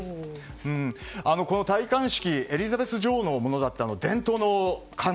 この戴冠式エリザベス女王のものだった伝統の冠。